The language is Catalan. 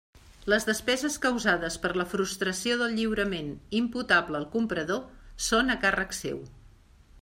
Les despeses causades per la frustració del lliurament imputable al comprador són a càrrec seu.